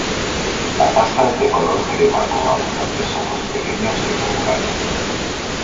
La pasta es de color crema con abundantes ojos pequeños e irregulares.